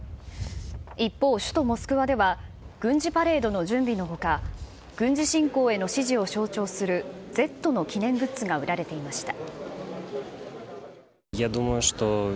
一方、首都モスクワでは、軍事パレードの準備のほか、軍事侵攻への支持を象徴する、Ｚの記念グッズが売られていました。